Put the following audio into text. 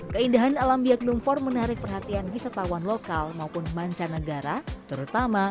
keindahan alam biak numfor menarik perhatian wisatawan lokal maupun mancanegara terutama